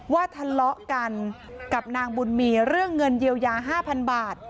ว่าทะเลาะกันกับนางบุญมีเรื่องเงินเยียวยา๕๐๐๐บาท